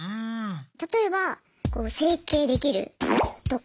例えば整形できる？とか。